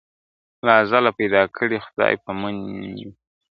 له ازله پیدا کړي خدای پمن یو ..